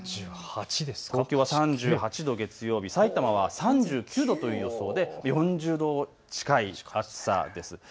東京は３８度、月曜日、さいたまは３９度という４０度近い暑さです。